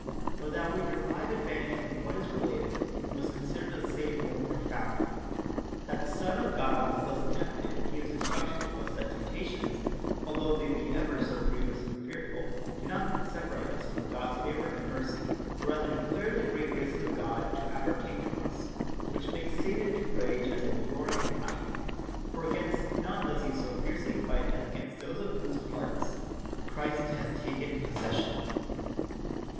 But that we derive advantage from what is related, we must con sider the same more profoundly. That the Son of God was thus tempted gives instruction to us that temptations, altho they be ever so griev ous and fearful, do not separate us from God's favor and mercy, but rather declare the great graces of God to appertain to us, which makes Satan to rage as a roaring lion ; for against none does he so fiercely fight as against those of whose hearts Christ has taken possession.